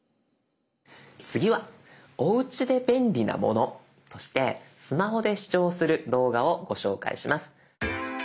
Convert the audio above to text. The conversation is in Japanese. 次はおうちで便利なものとしてスマホで視聴する動画をご紹介します。